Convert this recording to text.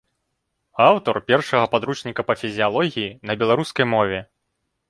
Аўтар першага падручніка па фізіялогіі на беларускай мове.